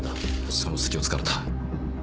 その隙を突かれた。